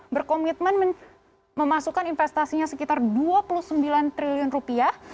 berkomitmen memasukkan investasinya sekitar dua puluh sembilan triliun rupiah